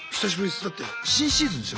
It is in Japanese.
だって新シーズンですよ